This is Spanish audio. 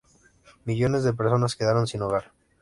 Millones de personas quedaron sin hogar.